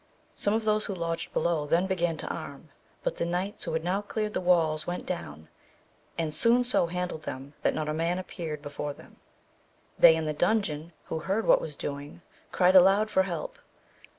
Some of those who lodged below then began to arm, but the knights who had now cleared the walls went down, and soon so handled them that not a man appeared before them. They in the dungeon, who heard what was doing, cried aloud for help.